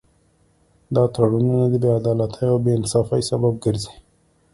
دا تړونونه د بې عدالتۍ او بې انصافۍ سبب ګرځي